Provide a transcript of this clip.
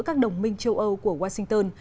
các đồng minh châu âu của washington